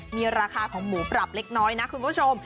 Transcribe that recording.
มีราคาของหมูปรับเล็กน้อยนะคุณผู้ชม